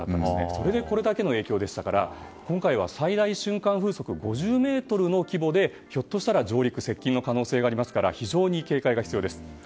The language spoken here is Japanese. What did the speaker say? それでこれだけの影響でしたから今回は最大瞬間風速５０メートルの規模で上陸・接近の可能性がありますから非常に警戒が必要です。